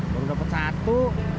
baru dapet satu